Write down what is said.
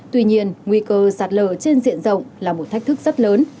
tuy nhiên nguy cơ sạt lở trên diện rộng là một thách thức rất lớn